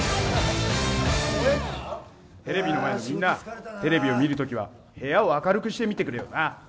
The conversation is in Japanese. テレビの前のみんなテレビを見る時は部屋を明るくして見てくれよな。